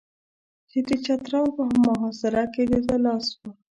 چې د چترال په محاصره کې د ده لاس و.